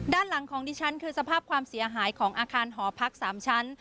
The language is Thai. ด้านหลังของดิฉันคือสภาพความเสียหายของอาคารหอพัก๓ชั้น